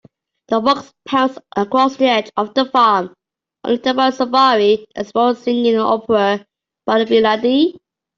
The fox pounced across the edge of the farm, only to find a safari explorer singing an opera by Vivaldi.